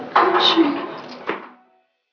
apa yang gak perbuat